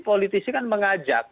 politisi kan mengajak